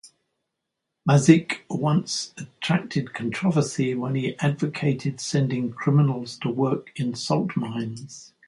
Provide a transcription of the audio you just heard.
Masyk once attracted controversy when he advocated sending criminals to work in salt mines.